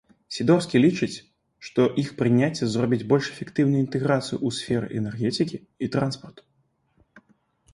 Сідорскі лічыць, што іх прыняцце зробіць больш эфектыўнай інтэграцыю ў сферы энергетыкі і транспарту.